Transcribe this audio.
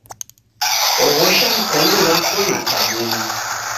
Oghosha mkonu rako na sabuni